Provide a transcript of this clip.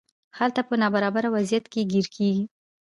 هلته په نابرابر وضعیت کې ګیر کیږي.